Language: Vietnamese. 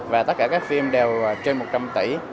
và tất cả các phim đều trên một trăm linh tỷ